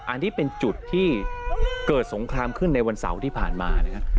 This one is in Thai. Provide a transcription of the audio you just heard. อันนี้เป็นจุดที่เกิดสงครามขึ้นในวันเสาร์ที่ผ่านมานะครับ